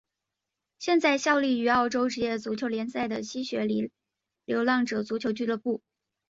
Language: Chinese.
现在效力于澳洲职业足球联赛的西雪梨流浪者足球俱乐部。